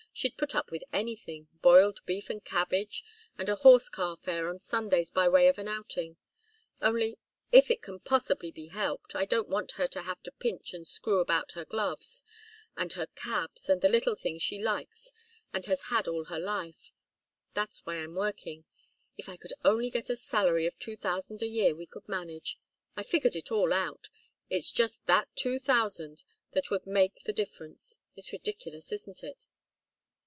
She'd put up with anything boiled beef and cabbage, and a horse car fare on Sundays by way of an outing. Only, of course, if it can possibly be helped, I don't want her to have to pinch and screw about her gloves, and her cabs, and the little things she likes and has had all her life. That's why I'm working. If I could only get a salary of two thousand a year, we could manage. I've figured it all out it's just that two thousand that would make the difference it's ridiculous, isn't it?"